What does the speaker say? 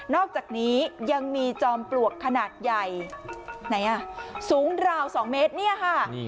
นอกจากนี้ยังมีจอมปลวกขนาดใหญ่สูงดราวสองเมตรเนี่ยค่ะ